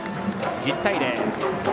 １０対０。